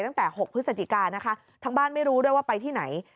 ตั้งแต่๖พฤศจิกานะคะทั้งบ้านไม่รู้ด้วยว่าไปที่ไหน